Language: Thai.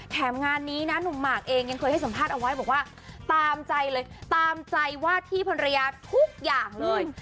แถมงานนี้นะหนุ่มหมากเองยังเคยให้สัมภาษณ์เอาไว้บอกว่าตามใจเลยตามใจวาดที่ภรรยาทุกอย่างเลย